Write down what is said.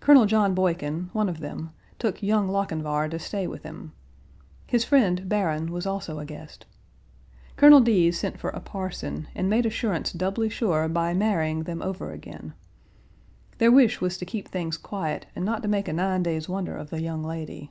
Colonel John Boykin, one of them, took Young Lochinvar to stay with him. His friend, Barron, was also a guest. Colonel Deas sent for a parson, and made assurance doubly sure by marrying them over again. Their wish was to keep things quiet and not to make a nine days' wonder of the young lady.